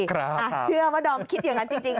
เชื่อว่าดอมคิดอย่างนั้นจริง